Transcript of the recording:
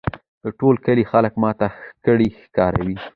د ټول کلي خلک ماته کړي ښراوي